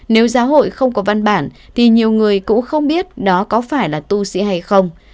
nếu giáo hội không có văn bản thì nhiều người cũng không biết đó có phải là tu sĩ hay không